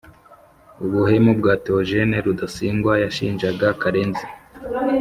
ubuhemu bwa theogène rudasingwa yashinjaga karenzi